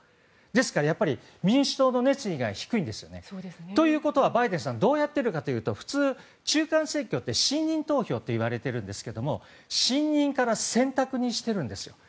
ですから、民主党の熱意が低いんですよね。ということはバイデンさんどうやっているかというと普通、中間選挙って信任投票っていわれているんですが信任から選択にしているんですよ。